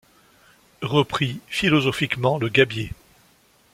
reprit philosophiquement le gabier